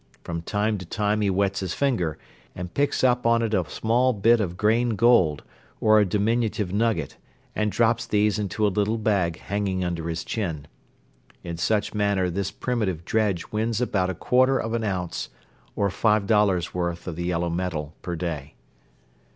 From time to time he wets his finger and picks up on it a small bit of grain gold or a diminutive nugget and drops these into a little bag hanging under his chin. In such manner this primitive dredge wins about a quarter of an ounce or five dollars' worth of the yellow metal per day.